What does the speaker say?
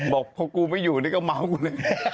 บอกพวกกูไม่อยู่นี่ก็ม้าของกูเลย